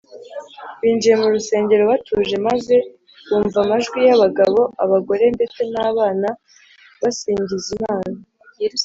binjiye mu rusengero batuje maze bumva amajwi y’abagabo, abagore ndetse n’abana basingiza imana